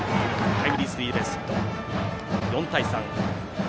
タイムリースリーベースヒットで４対３。